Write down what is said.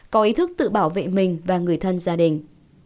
có ý thức tự bảo vệ mình và người thân gia đình